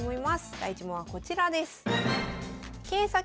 第１問はこちらです。